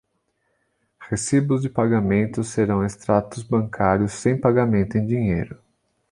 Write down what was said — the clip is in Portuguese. Recibos de pagamento serão extratos bancários sem pagamento em dinheiro.